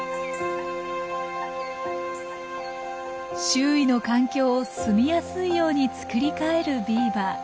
周囲の環境を住みやすいように作り替えるビーバー。